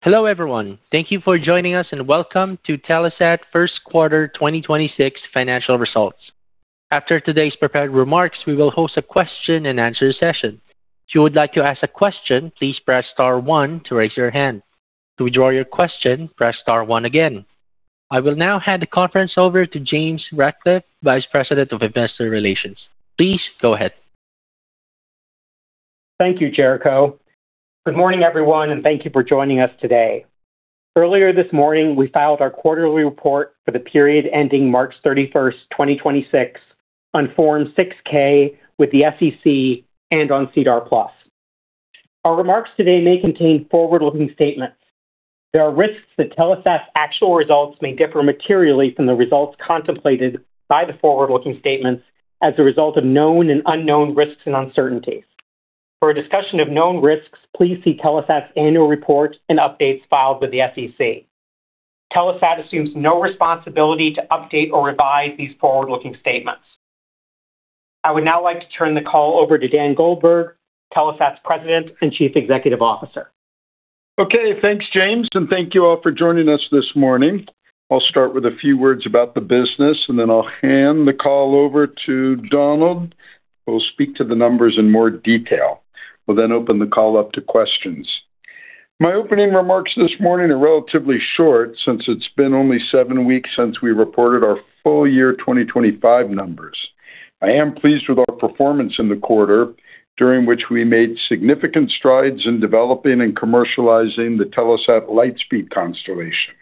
Hello, everyone. Thank you for joining us, and welcome to Telesat First Quarter 2026 Financial Results. After today's prepared remarks, we will host a question-and-answer session. If you would like to ask a question, please press star one to raise your hand. To withdraw your question, press star one again. I will now hand the conference over to James Ratcliffe, Vice President of Investor Relations. Please go ahead. Thank you, Jericho. Good morning, everyone, and thank you for joining us today. Earlier this morning, we filed our quarterly report for the period ending March 31st, 2026, on Form 6-K with the SEC and on SEDAR+. Our remarks today may contain forward-looking statements. There are risks that Telesat's actual results may differ materially from the results contemplated by the forward-looking statements as a result of known and unknown risks and uncertainties. For a discussion of known risks, please see Telesat's annual report and updates filed with the SEC. Telesat assumes no responsibility to update or revise these forward-looking statements. I would now like to turn the call over to Dan Goldberg, Telesat's President and Chief Executive Officer. Okay. Thanks, James, thank you all for joining us this morning. I'll start with a few words about the business, I'll hand the call over to Donald, who will speak to the numbers in more detail. We'll open the call up to questions. My opening remarks this morning are relatively short since it's been only seven weeks since we reported our full year 2025 numbers. I am pleased with our performance in the quarter, during which we made significant strides in developing and commercializing the Telesat LightSpeed constellation.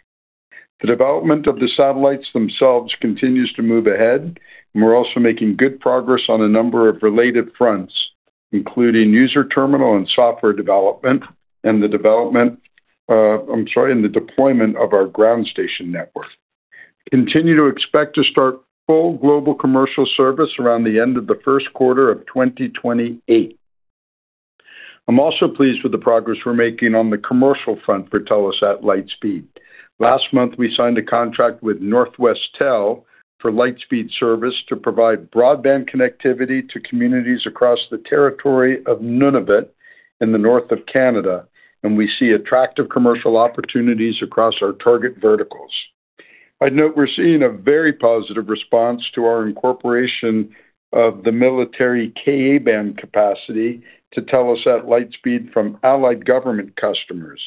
The development of the satellites themselves continues to move ahead, we're also making good progress on a number of related fronts, including user terminal and software development and the development... I'm sorry, and the deployment of our ground station network. Continue to expect to start full global commercial service around the end of the first quarter of 2028. I'm also pleased with the progress we're making on the commercial front for Telesat LightSpeed. Last month, we signed a contract with Northwestel for LightSpeed service to provide broadband connectivity to communities across the territory of Nunavut in the north of Canada. We see attractive commercial opportunities across our target verticals. I'd note we're seeing a very positive response to our incorporation of the military Ka-band capacity to Telesat LightSpeed from allied government customers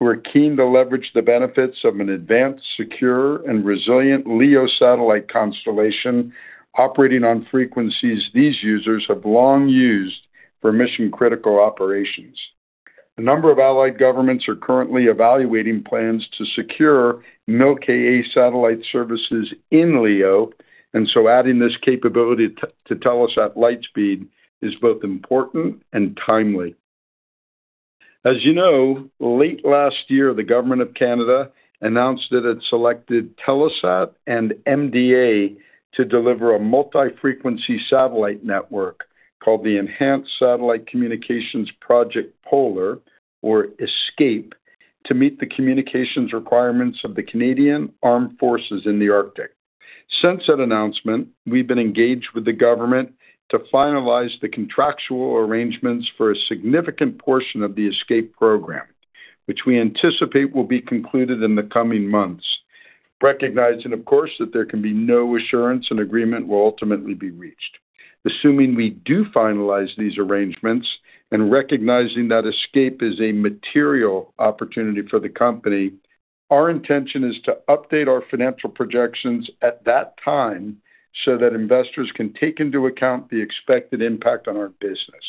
who are keen to leverage the benefits of an advanced, secure, and resilient LEO satellite constellation operating on frequencies these users have long used for mission-critical operations. A number of allied governments are currently evaluating plans to secure Mil-Ka satellite services in LEO, adding this capability to Telesat LightSpeed is both important and timely. As you know, late last year, the government of Canada announced that it selected Telesat and MDA to deliver a multi-frequency satellite network called the Enhanced Satellite Communications Project – Polar or ESCAPE to meet the communications requirements of the Canadian Armed Forces in the Arctic. Since that announcement, we've been engaged with the government to finalize the contractual arrangements for a significant portion of the ESCAPE program, which we anticipate will be concluded in the coming months. Recognizing, of course, that there can be no assurance an agreement will ultimately be reached. Assuming we do finalize these arrangements and recognizing that ESCAPE is a material opportunity for the company, our intention is to update our financial projections at that time so that investors can take into account the expected impact on our business.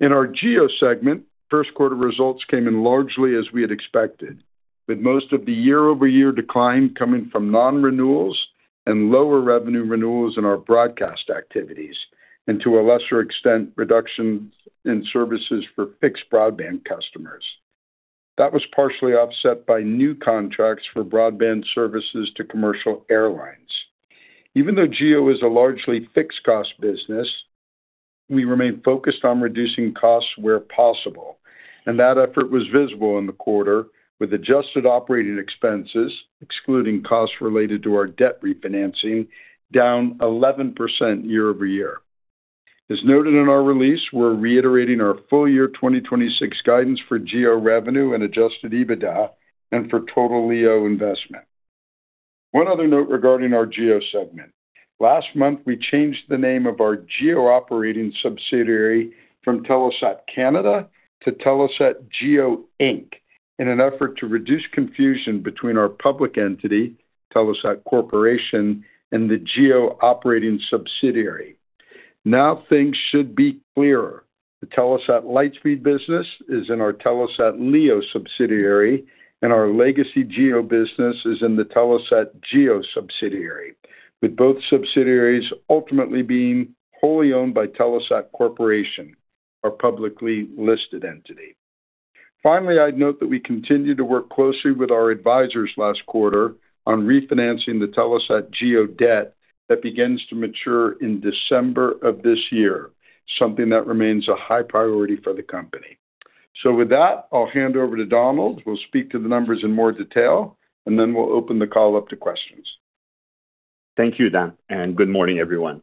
In our GEO segment, first quarter results came in largely as we had expected, with most of the year-over-year decline coming from non-renewals and lower revenue renewals in our broadcast activities and, to a lesser extent, reductions in services for fixed broadband customers. That was partially offset by new contracts for broadband services to commercial airlines. Even though GEO is a largely fixed cost business, we remain focused on reducing costs where possible, and that effort was visible in the quarter with adjusted operating expenses, excluding costs related to our debt refinancing, down 11% year-over-year. As noted in our release, we're reiterating our full year 2026 guidance for GEO revenue and adjusted EBITDA and for total LEO investment. One other note regarding our GEO segment. Last month, we changed the name of our GEO operating subsidiary from Telesat Canada to Telesat GEO Inc in an effort to reduce confusion between our public entity, Telesat Corporation, and the GEO operating subsidiary. Now things should be clearer. The Telesat LightSpeed business is in our Telesat LEO subsidiary, and our legacy GEO business is in the Telesat GEO subsidiary, with both subsidiaries ultimately being wholly owned by Telesat Corporation, our publicly listed entity. Finally, I'd note that we continued to work closely with our advisors last quarter on refinancing the Telesat GEO debt that begins to mature in December of this year, something that remains a high priority for the company. With that, I'll hand over to Donald, who will speak to the numbers in more detail, and then we'll open the call up to questions. Thank you, Dan, and good morning, everyone.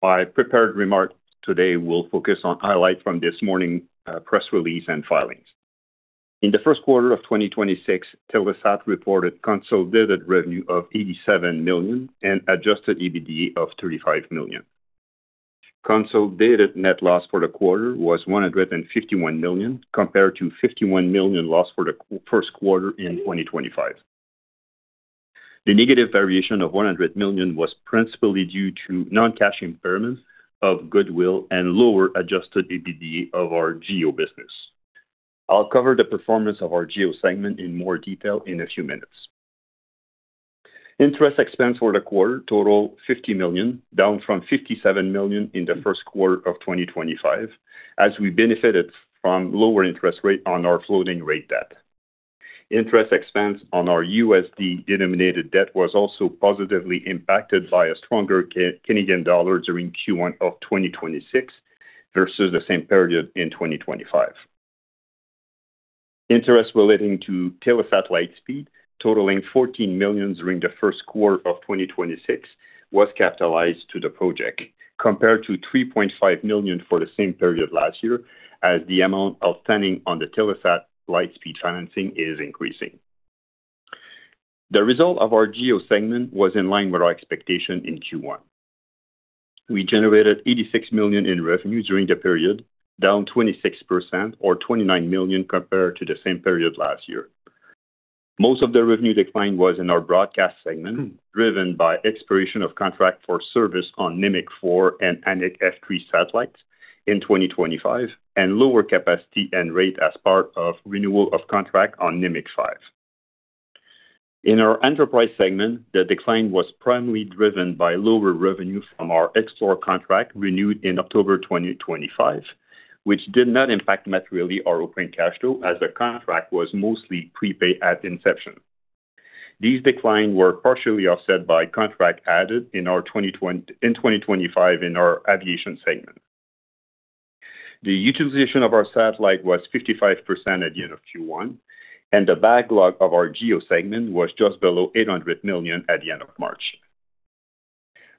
My prepared remarks today will focus on highlights from this morning, press release and filings. In the first quarter of 2026, Telesat reported consolidated revenue of 87 million and adjusted EBITDA of 35 million. Consolidated net loss for the quarter was 151 million, compared to 51 million loss for the first quarter in 2025. The negative variation of 100 million was principally due to non-cash impairments of goodwill and lower adjusted EBITDA of our GEO business. I'll cover the performance of our GEO segment in more detail in a few minutes. Interest expense for the quarter totaled 50 million, down from 57 million in the first quarter of 2025, as we benefited from lower interest rate on our floating rate debt. Interest expense on our USD-denominated debt was also positively impacted by a stronger Canadian dollar during Q1 of 2026 versus the same period in 2025. Interest relating to Telesat LightSpeed, totaling 14 million during the first quarter of 2026, was capitalized to the project, compared to 3.5 million for the same period last year, as the amount outstanding on the Telesat LightSpeed financing is increasing. The result of our GEO segment was in line with our expectation in Q1. We generated 86 million in revenue during the period, down 26% or 29 million compared to the same period last year. Most of the revenue decline was in our broadcast segment, driven by expiration of contract for service on Nimiq 4 and Anik F3 satellites in 2025 and lower capacity and rate as part of renewal of contract on Nimiq 5. In our enterprise segment, the decline was primarily driven by lower revenue from our Xplore contract renewed in October 2025, which did not impact materially our operating cash flow as the contract was mostly prepaid at inception. These declines were partially offset by contract added in 2025 in our aviation segment. The utilization of our satellite was 55% at the end of Q1, and the backlog of our GEO segment was just below 800 million at the end of March.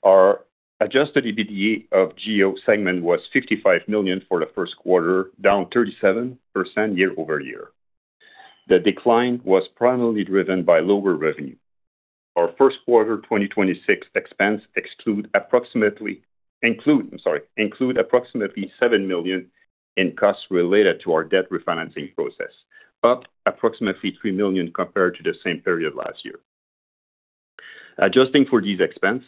Our adjusted EBITDA of GEO segment was 55 million for the first quarter, down 37% year-over-year. The decline was primarily driven by lower revenue. Our first quarter 2026 include approximately 7 million in costs related to our debt refinancing process, up approximately 3 million compared to the same period last year. Adjusting for these expense,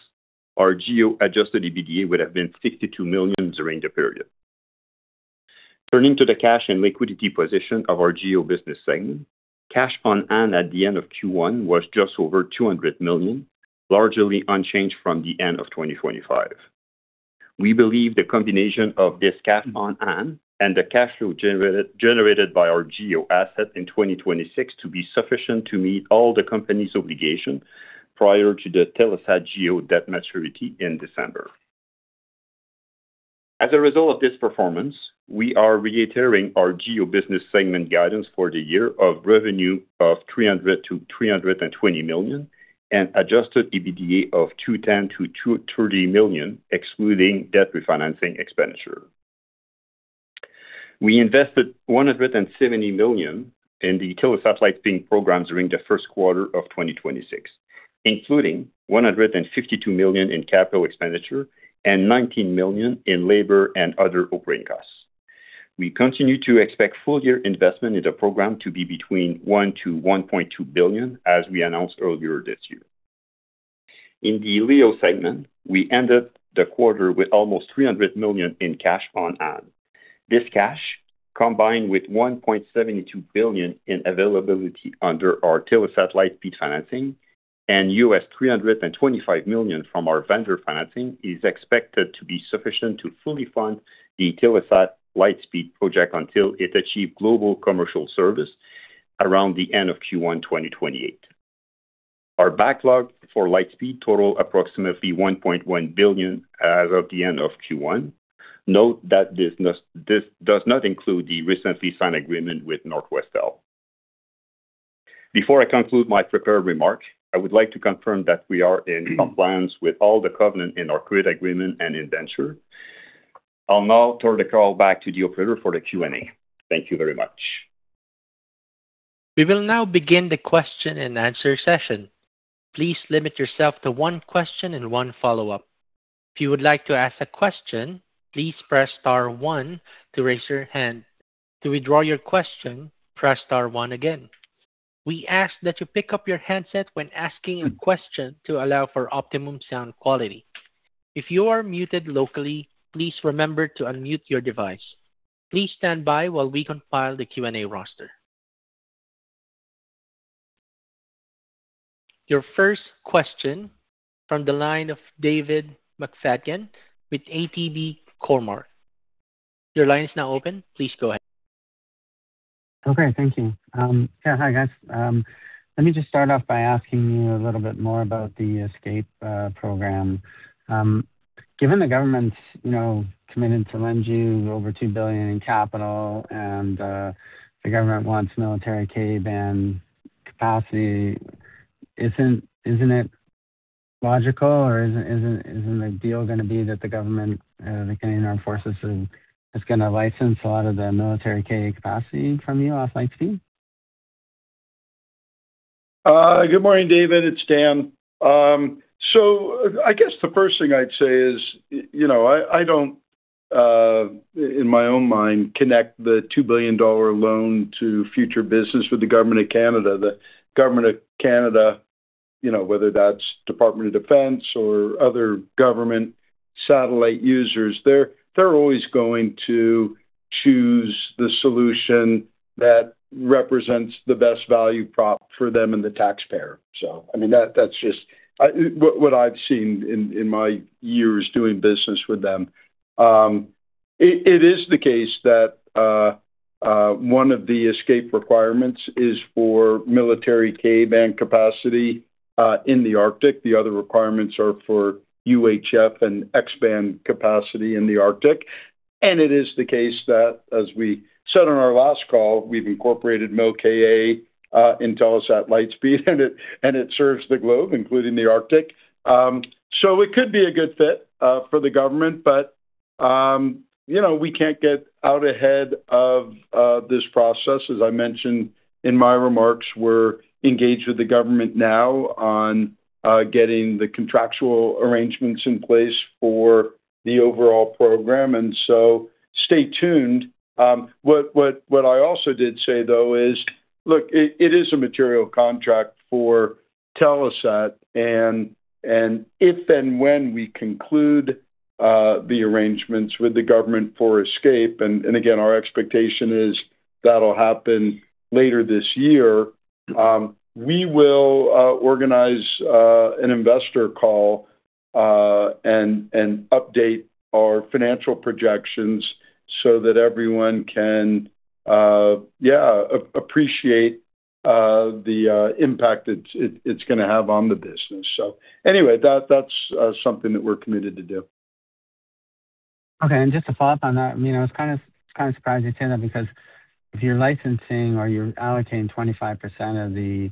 our GEO adjusted EBITDA would have been 52 million during the period. Turning to the cash and liquidity position of our GEO business segment, cash on hand at the end of Q1 was just over 200 million, largely unchanged from the end of 2025. We believe the combination of this cash on hand and the cash flow generated by our GEO asset in 2026 to be sufficient to meet all the company's obligation prior to the Telesat GEO debt maturity in December. As a result of this performance, we are reiterating our GEO business segment guidance for the year of revenue of 300 million to 320 million and adjusted EBITDA of 210 million to 230 million, excluding debt refinancing expenditure. We invested 170 million in the Telesat LightSpeed program during the first quarter of 2026, including 152 million in capital expenditure and 19 million in labor and other operating costs. We continue to expect full-year investment in the program to be between 1 billion-1.2 billion, as we announced earlier this year. In the LEO segment, we ended the quarter with almost 300 million in cash on hand. This cash, combined with 1.72 billion in availability under our Telesat LightSpeed financing and $325 million from our vendor financing, is expected to be sufficient to fully fund the Telesat LightSpeed project until it achieve global commercial service around the end of Q1 2028. Our backlog for LightSpeed total approximately 1.1 billion as of the end of Q1. Note that this does not include the recently signed agreement with Northwestel. Before I conclude my prepared remarks, I would like to confirm that we are in compliance with all the covenant in our credit agreement and indenture. I'll now turn the call back to the operator for the Q&A. Thank you very much. We will now begin the question and answer session. Please limit yourself to one question and one follow-up. If you would like to ask a question, please press star one to raise your hand. To withdraw your question, press star one again. We ask that you pick up your handset when asking a question to allow for optimum sound quality. If you are muted locally, please remember to unmute your device. Please stand by while we compile the Q&A roster. Your first question from the line of David McFadgen with ATB Cormark. Your line is now open. Please go ahead. Okay. Thank you. Hi, guys. Let me just start off by asking you a little bit more about the ESCAPE program. Given the government's, you know, committed to lend you over 2 billion in capital and the government wants military Ka-band capacity, isn't it logical or isn't the deal gonna be that the government, the Canadian Armed Forces is gonna license a lot of the military Ka-band capacity from you off Lightspeed? Good morning, David. It's Dan. I guess the first thing I'd say is, you know, I don't in my own mind, connect the 2 billion dollar loan to future business with the Government of Canada. The Government of Canada, you know, whether that's Department of Defense or other government satellite users, they're always going to choose the solution that represents the best value prop for them and the taxpayer. I mean, that's just what I've seen in my years doing business with them. It is the case that one of the ESCAPE requirements is for military Ka-band capacity in the Arctic. The other requirements are for UHF and X-band capacity in the Arctic. It is the case that, as we said on our last call, we've incorporated Mil-Ka, Telesat LightSpeed, and it serves the globe, including the Arctic. It could be a good fit for the government, but, you know, we can't get out ahead of this process. As I mentioned in my remarks, we're engaged with the government now on getting the contractual arrangements in place for the overall program, stay tuned. What I also did say, though, is, look, it is a material contract for Telesat. If and when we conclude, the arrangements with the government for ESCAPE, and again, our expectation is that'll happen later this year, we will organize an investor call, and update our financial projections so that everyone can appreciate the impact it's gonna have on the business. Anyway, that's something that we're committed to do. Okay. Just to follow up on that, I mean, I was kind of surprised you say that because if you're licensing or you're allocating 25% of the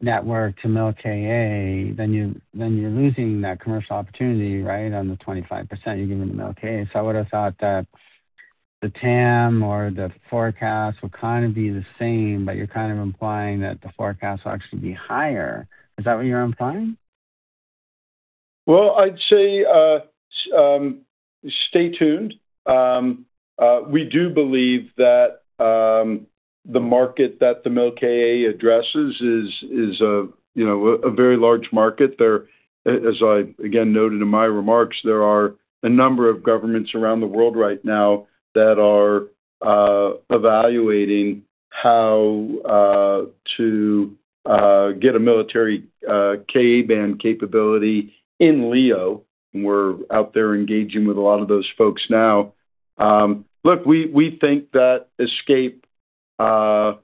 network to Mil-Ka, then you're losing that commercial opportunity, right, on the 25% you're giving to Mil-Ka. I would've thought that the TAM or the forecast would kind of be the same, but you're kind of implying that the forecast will actually be higher. Is that what you're implying? Well, I'd say, stay tuned. We do believe that the market that the Mil-Ka addresses is a very large market. As I again noted in my remarks, there are a number of governments around the world right now that are evaluating how to get a military Ka-band capability in LEO. We're out there engaging with a lot of those folks now. Look, we think that ESCAPE, again,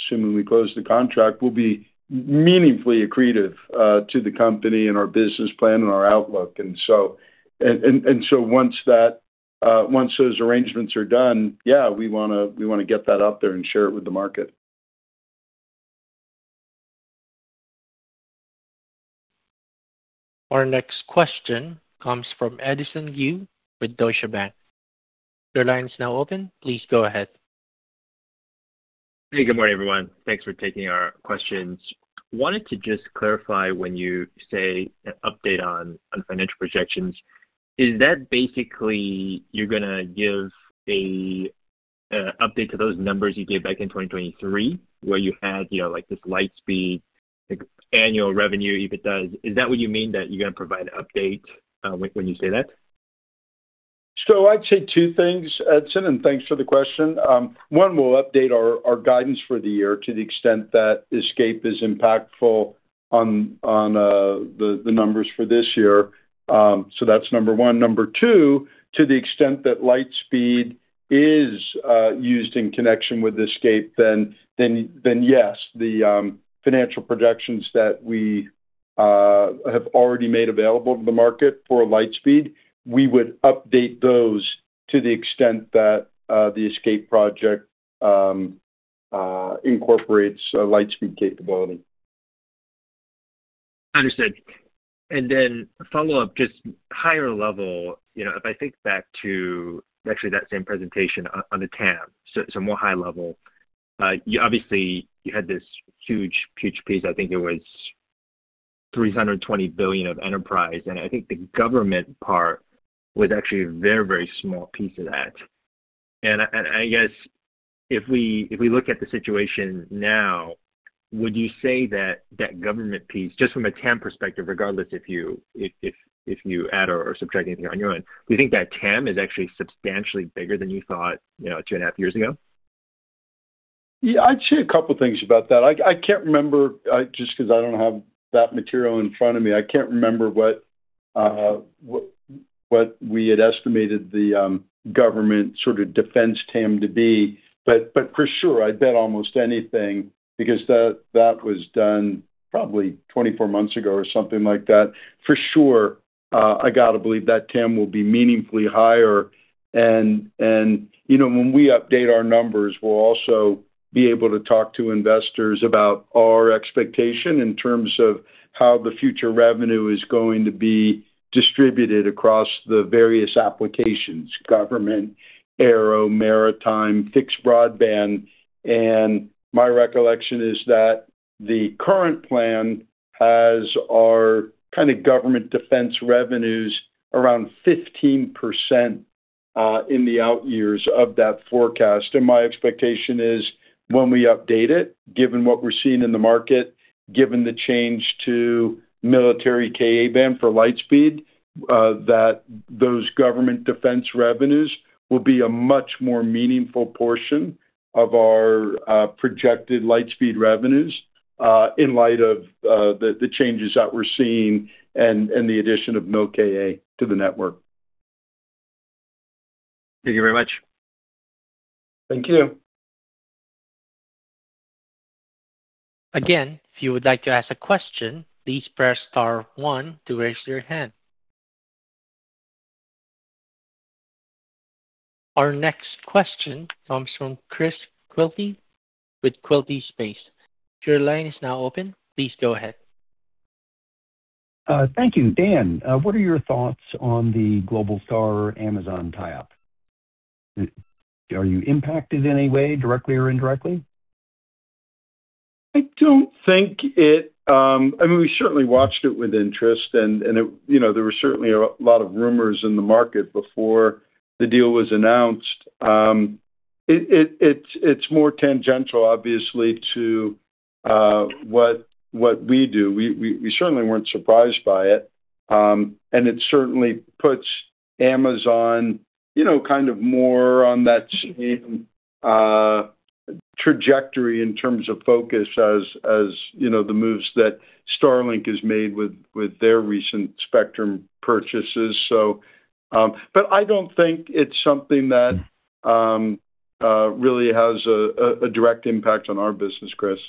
assuming we close the contract, will be meaningfully accretive to the company and our business plan and our outlook. Once those arrangements are done, yeah, we wanna get that out there and share it with the market. Our next question comes from Edison Yu with Deutsche Bank. Your line is now open. Please go ahead. Hey, good morning, everyone. Thanks for taking our questions. Wanted to just clarify when you say an update on financial projections, is that basically you're gonna give a update to those numbers you gave back in 2023, where you had, you know, like this Lightspeed, annual revenue, EBITDA? Is that what you mean that you're gonna provide an update when you say that? I'd say two things, Edison, and thanks for the question. One, we'll update our guidance for the year to the extent that ESCAPE is impactful on the numbers for this year. That's number one. Number two, to the extent that Lightspeed is used in connection with ESCAPE, yes, the financial projections that we have already made available to the market for Lightspeed, we would update those to the extent that the ESCAPE project incorporates a Lightspeed capability. Understood. Then follow up, just higher level, you know, if I think back to actually that same presentation on the TAM, so more high level. You obviously, you had this huge piece, I think it was 320 billion of enterprise, and I think the government part was actually a very, very small piece of that. I guess if we look at the situation now, would you say that that government piece, just from a TAM perspective, regardless of if you add or subtract anything on your own, do you think that TAM is actually substantially bigger than you thought, you know, 2.5 years ago? Yeah, I'd say a couple things about that. I can't remember, just 'cause I don't have that material in front of me. I can't remember what we had estimated the government sort of defense TAM to be. For sure, I'd bet almost anything because that was done probably 24 months ago or something like that. For sure, I gotta believe that TAM will be meaningfully higher. You know, when we update our numbers, we'll also be able to talk to investors about our expectation in terms of how the future revenue is going to be distributed across the various applications: government, aero, maritime, fixed broadband. My recollection is that the current plan has our kind of government defense revenues around 15% in the out years of that forecast. My expectation is when we update it, given what we're seeing in the market, given the change to military Ka-band for Lightspeed, that those government defense revenues will be a much more meaningful portion of our projected Lightspeed revenues, in light of the changes that we're seeing and the addition of Mil-Ka to the network. Thank you very much. Thank you. Again, if you would like to ask a question, please press star one to raise your hand. Our next question comes from Chris Quilty with Quilty Space. Your line is now open. Please go ahead. Thank you. Dan, what are your thoughts on the Globalstar Amazon tie-up? Are you impacted in any way, directly or indirectly? I don't think it, I mean, we certainly watched it with interest and it, you know, there were certainly a lot of rumors in the market before the deal was announced. It's more tangential, obviously, to what we do. We certainly weren't surprised by it. And it certainly puts Amazon, you know, kind of more on that same trajectory in terms of focus as, you know, the moves that Starlink has made with their recent spectrum purchases. But I don't think it's something that really has a direct impact on our business, Chris.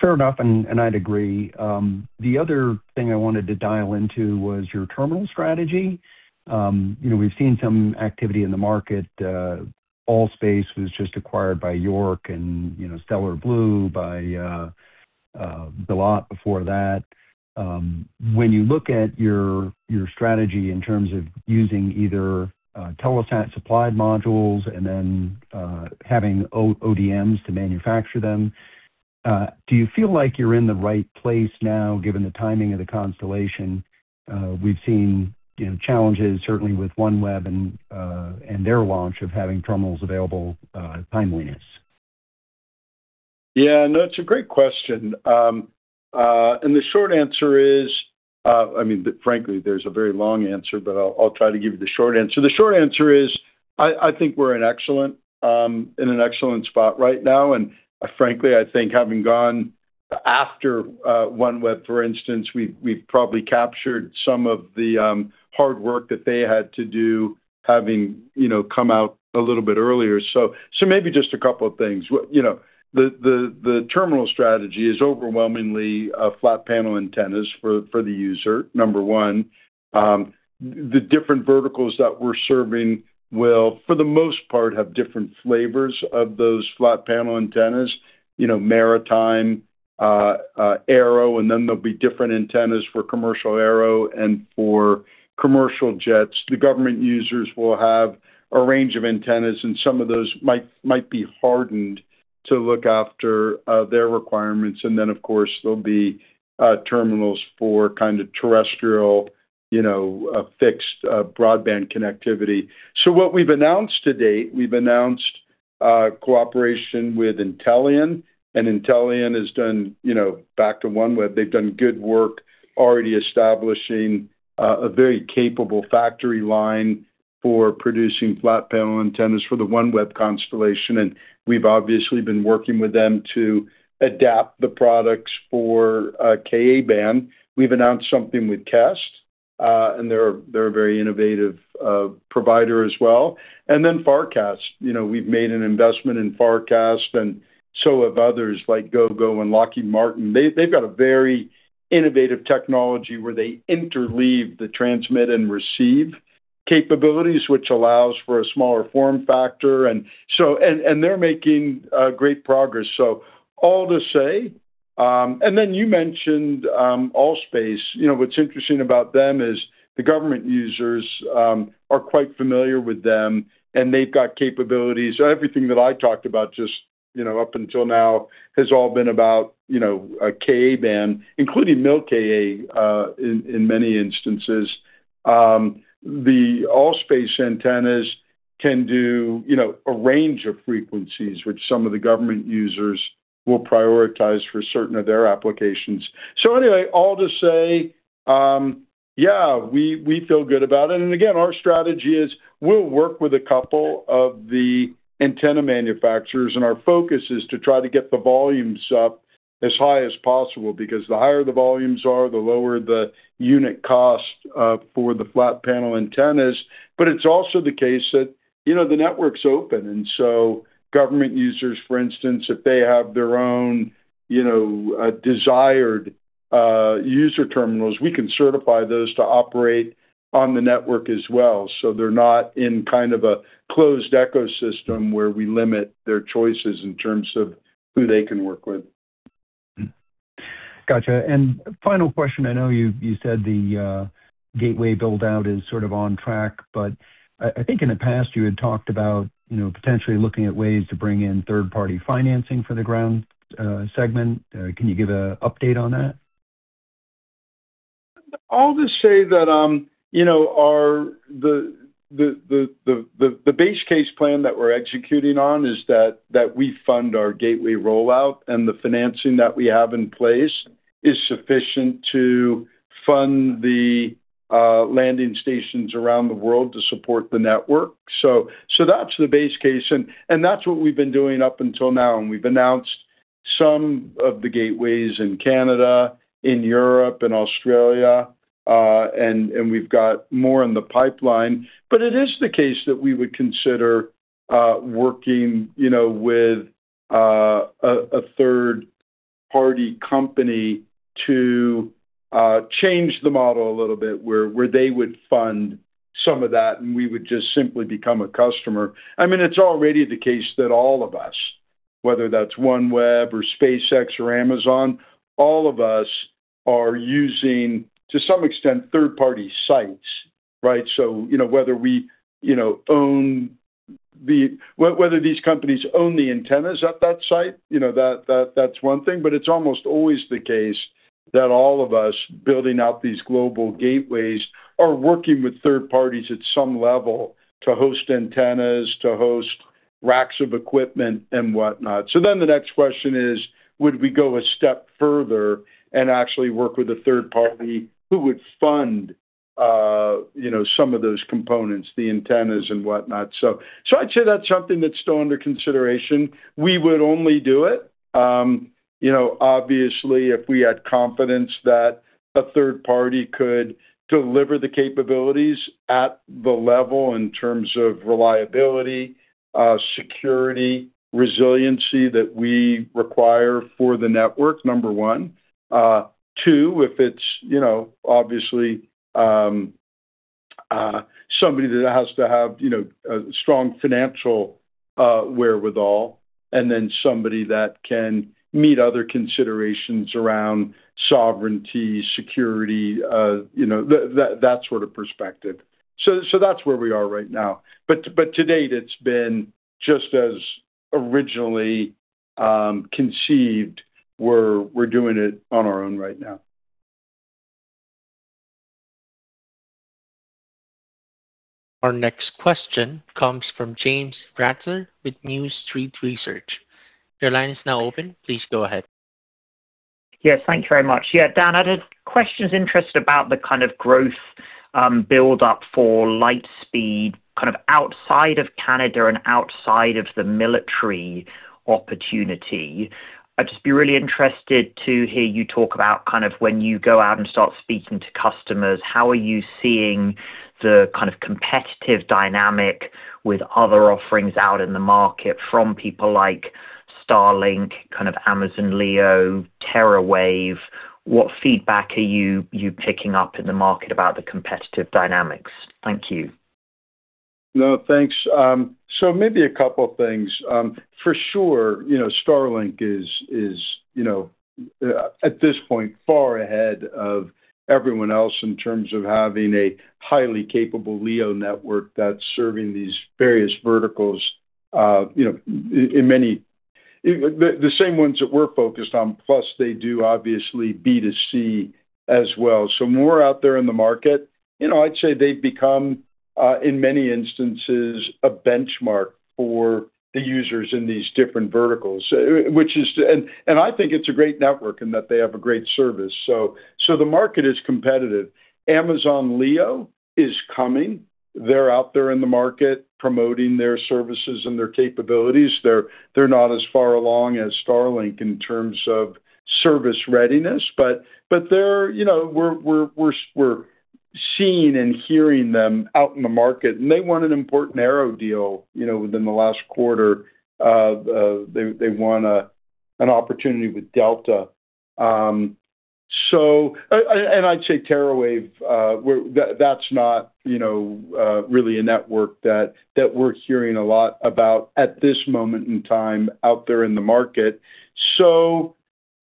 Fair enough, I'd agree. The other thing I wanted to dial into was your terminal strategy. You know, we've seen some activity in the market. All.Space was just acquired by York Space Systems and, you know, Stellar Blu by Gilat Satellite Networks before that. When you look at your strategy in terms of using either Telesat supplied modules and then having ODMs to manufacture them, do you feel like you're in the right place now given the timing of the constellation? We've seen, you know, challenges certainly with OneWeb and their launch of having terminals available, timeliness. Yeah, it's a great question. Short answer is... I mean, frankly, there's a very long answer, but I'll try to give you the short answer. The short answer is I think we're in an excellent spot right now. Frankly, I think having gone after OneWeb, for instance, we've probably captured some of the hard work that they had to do having, you know, come out a little bit earlier. Maybe just a couple of things. You know, the terminal strategy is overwhelmingly flat panel antennas for the user. Number one, the different verticals that we're serving will, for the most part, have different flavors of those flat panel antennas. You know, maritime, aero, and then there'll be different antennas for commercial aero and for commercial jets. The government users will have a range of antennas, and some of those might be hardened to look after their requirements. Of course, there'll be terminals for kind of terrestrial, you know, fixed broadband connectivity. What we've announced to date, we've announced cooperation with Intellian, and Intellian has done, you know, back to OneWeb. They've done good work already establishing a very capable factory line for producing flat panel antennas for the OneWeb constellation, and we've obviously been working with them to adapt the products for Ka-band. We've announced something with Kymeta, and they're a very innovative provider as well. And then Farcast. You know, we've made an investment in Farcast, and so have others like Gogo and Lockheed Martin. They've got a very innovative technology where they interleave the transmit and receive capabilities, which allows for a smaller form factor. They're making great progress. All to say, you mentioned All.Space. You know, what's interesting about them is the government users are quite familiar with them, and they've got capabilities. Everything that I talked about just up until now has all been about a Ka-band, including Mil-Ka, in many instances. The All.Space antennas can do a range of frequencies, which some of the government users will prioritize for certain of their applications. Anyway, all to say, yeah, we feel good about it. Again, our strategy is we'll work with a couple of the antenna manufacturers, and our focus is to try to get the volumes up as high as possible because the higher the volumes are, the lower the unit cost. For the flat panel antennas. It's also the case that, you know, the network's open, and so government users, for instance, if they have their own, you know, desired user terminals, we can certify those to operate on the network as well. They're not in kind of a closed ecosystem where we limit their choices in terms of who they can work with. Gotcha. Final question, I know you said the gateway build out is sort of on track, but I think in the past you had talked about, you know, potentially looking at ways to bring in third-party financing for the ground segment. Can you give a update on that? I'll just say that, you know, our the base case plan that we're executing on is that we fund our gateway rollout, and the financing that we have in place is sufficient to fund the landing stations around the world to support the network. That's the base case and that's what we've been doing up until now, and we've announced some of the gateways in Canada, in Europe, in Australia, and we've got more in the pipeline. It is the case that we would consider, working, you know, with a third-party company to change the model a little bit where they would fund some of that, and we would just simply become a customer. I mean, it's already the case that all of us, whether that's OneWeb or SpaceX or Amazon, all of us are using, to some extent, third-party sites, right? Whether we, you know, own whether these companies own the antennas at that site, you know, that's one thing, but it's almost always the case that all of us building out these global gateways are working with third parties at some level to host antennas, to host racks of equipment, and whatnot. The next question is, would we go a step further and actually work with a third party who would fund, you know, some of those components, the antennas and whatnot? I'd say that's something that's still under consideration. We would only do it, you know, obviously, if we had confidence that a third party could deliver the capabilities at the level in terms of reliability, security, resiliency that we require for the network, number one. Two, if it's, you know, obviously, somebody that has to have, you know, a strong financial, wherewithal, and then somebody that can meet other considerations around sovereignty, security, you know, that sort of perspective. That's where we are right now. To date, it's been just as originally, conceived. We're doing it on our own right now. Our next question comes from James Ratzer with New Street Research. Your line is now open. Please go ahead. Yes, thank you very much. Yeah, Dan, I had questions interest about the kind of growth build up for Lightspeed, kind of outside of Canada and outside of the military opportunity. I'd just be really interested to hear you talk about kind of when you go out and start speaking to customers, how are you seeing the kind of competitive dynamic with other offerings out in the market from people like Starlink, kind of Amazon Leo, TeraWav. What feedback are you picking up in the market about the competitive dynamics? Thank you. No, thanks. Maybe a couple of things. For sure, you know, Starlink is, you know, at this point, far ahead of everyone else in terms of having a highly capable LEO network that's serving these various verticals, you know, in many the same ones that we're focused on, plus they do obviously B2C as well. More out there in the market, you know, I'd say they've become, in many instances, a benchmark for the users in these different verticals, and I think it's a great network and that they have a great service. The market is competitive. Amazon LEO is coming. They're out there in the market promoting their services and their capabilities. They're not as far along as Starlink in terms of service readiness, but they're, you know, we're seeing and hearing them out in the market, and they want an important Aero deal, you know, within the last quarter. They want an opportunity with Delta. I'd say TeraWav, that's not, you know, really a network that we're hearing a lot about at this moment in time out there in the market.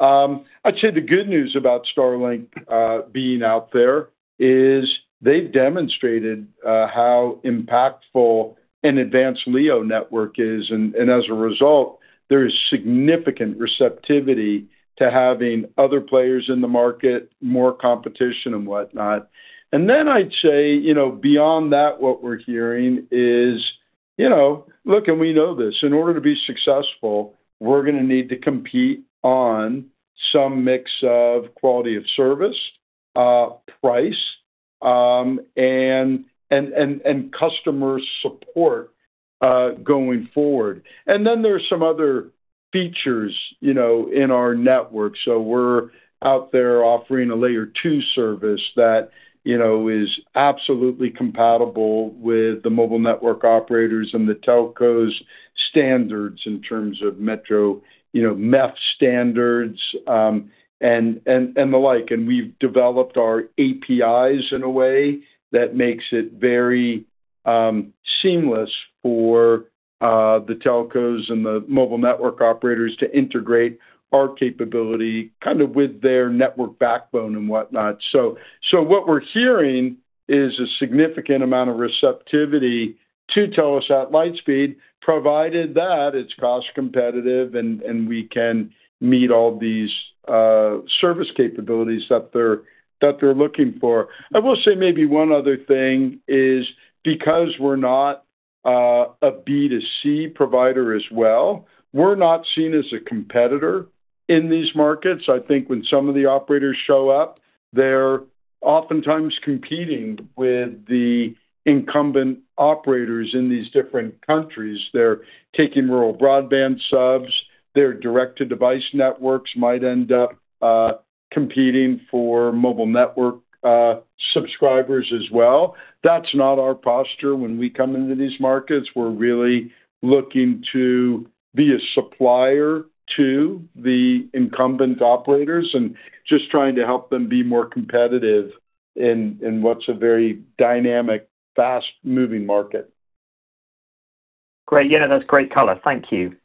I'd say the good news about Starlink being out there is they've demonstrated how impactful an advanced LEO network is, and as a result, there is significant receptivity to having other players in the market, more competition and whatnot. I'd say, you know, beyond that, what we're hearing is, you know, look, and we know this, in order to be successful, we're gonna need to compete on some mix of quality of service, price, and customer support going forward. There are some other features, you know, in our network. We're out there offering a Layer 2 service that, you know, is absolutely compatible with the mobile network operators and the telcos standards in terms of metro, you know, MEF standards, and the like. We've developed our APIs in a way that makes it very seamless for the telcos and the mobile network operators to integrate our capability kind of with their network backbone and whatnot. What we are hearing is a significant amount of receptivity to Telesat LightSpeed, provided that it is cost competitive and we can meet all these service capabilities that they are looking for. I will say maybe one other thing is because we are not a B2C provider as well, we are not seen as a competitor in these markets. I think when some of the operators show up, they are oftentimes competing with the incumbent operators in these different countries. They are taking rural broadband subs. Their direct-to-device networks might end up competing for mobile network subscribers as well. That is not our posture when we come into these markets. We are really looking to be a supplier to the incumbent operators and just trying to help them be more competitive in what is a very dynamic, fast-moving market. Great. Yeah, that's great color. Thank you.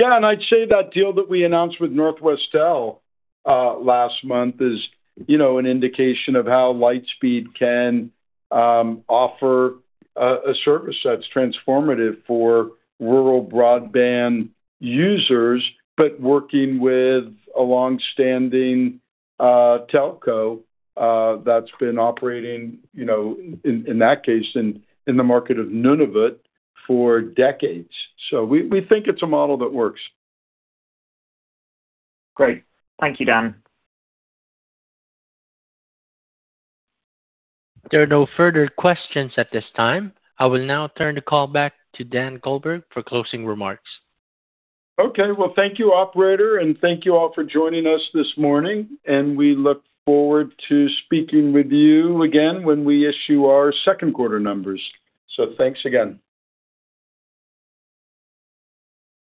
Yeah, I'd say that deal that we announced with Northwestel last month is, you know, an indication of how LightSpeed can offer a service that's transformative for rural broadband users, but working with a long-standing telco that's been operating, you know, in that case, in the market of Nunavut for decades. We think it's a model that works. Great. Thank you, Dan. There are no further questions at this time. I will now turn the call back to Dan Goldberg for closing remarks. Okay. Well, thank you, operator, and thank you all for joining us this morning. We look forward to speaking with you again when we issue our second quarter numbers. Thanks again.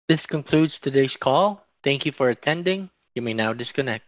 This concludes today's call. Thank you for attending. You may now disconnect.